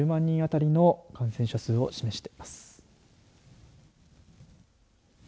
人あたりの感染者数を示しています。